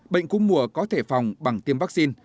bệnh cúm mùa có thể phòng bằng tiêm vaccine